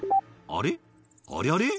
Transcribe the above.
あれあれ？